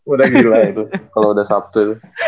udah gila itu kalau udah sabtu